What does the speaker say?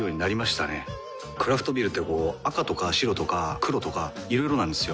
クラフトビールってこう赤とか白とか黒とかいろいろなんですよ。